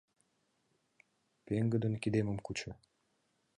Пеҥгыдын кидемым кучо.